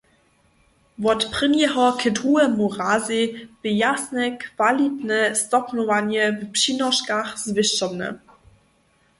Wot prěnjeho k druhemu razej bě jasne kwalitne stopnjowanje w přinoškach zwěsćomne.